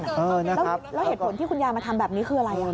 แล้วเหตุผลที่คุณยายมาทำแบบนี้คืออะไร